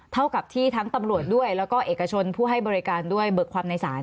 เท่ากับที่ทั้งตำรวจด้วยแล้วก็เอกชนผู้ให้บริการด้วยเบิกความในศาล